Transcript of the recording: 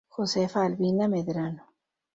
Josefa Albina Medrano.